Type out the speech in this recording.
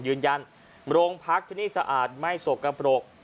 ยืนยันโรงพักที่นี่สะอาดไม่สกกระปรก